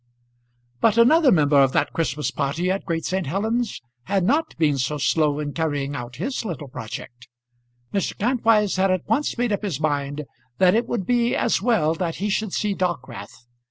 But another member of that Christmas party at Great St. Helen's had not been so slow in carrying out his little project. Mr. Kantwise had at once made up his mind that it would be as well that he should see Dockwrath.